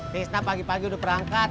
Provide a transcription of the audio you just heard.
tisna pagi pagi udah perangkat